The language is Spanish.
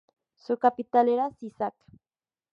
Su capital era Sisak.